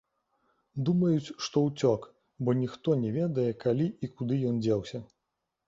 Думаюць, што ўцёк, бо ніхто не ведае, калі і куды ён дзеўся.